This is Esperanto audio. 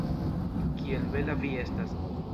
Kiel bela vi estas!